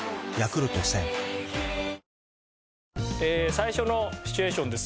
最初のシチュエーションです。